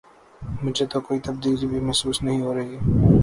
مجھے تو کوئی تبدیلی بھی محسوس نہیں ہو رہی ہے۔